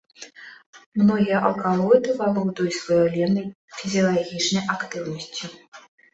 Многія алкалоіды валодаюць выяўленай фізіялагічнай актыўнасцю.